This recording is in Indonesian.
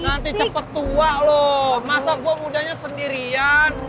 nanti cepat tua loh masa gue mudanya sendirian